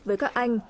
với các anh